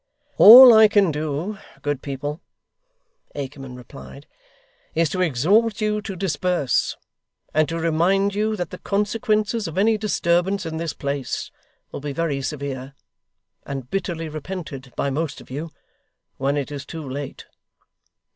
'All I can do, good people,' Akerman replied, 'is to exhort you to disperse; and to remind you that the consequences of any disturbance in this place, will be very severe, and bitterly repented by most of you, when it is too late.